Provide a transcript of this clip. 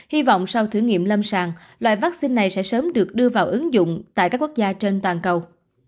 hy vọng sau thử nghiệm lâm sàng loại vaccine này sẽ sớm được đưa vào ứng dụng tại các quốc gia trên toàn cầu